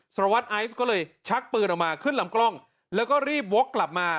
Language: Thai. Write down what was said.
สารวัตรไอซ์ก็เลยชักปืนออกมาขึ้นลำกล้องแล้วก็รีบวกกลับมา